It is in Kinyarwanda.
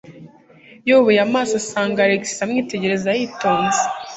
Yubuye amaso asanga Alex amwitegereza yitonze.